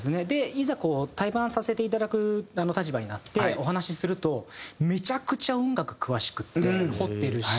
いざこう対バンさせていただく立場になってお話しするとめちゃくちゃ音楽詳しくて掘ってるし。